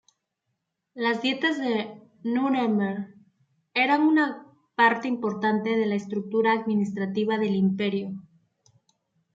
Las Dietas de Núremberg eran una parte importante de la estructura administrativa del imperio.